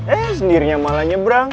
eh sendirinya malah nyebrang